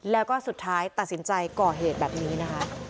แล้วก็สุดท้ายตัดสินใจก่อเหตุแบบนี้นะคะ